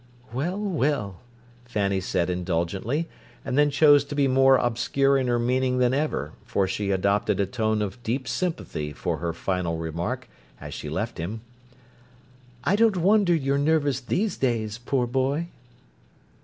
"Well, well," Fanny said indulgently, and then chose to be more obscure in her meaning than ever, for she adopted a tone of deep sympathy for her final remark, as she left him: "I don't wonder you're nervous these days, poor boy!"